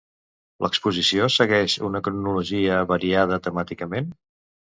L'exposició segueix una cronologia variada temàticament?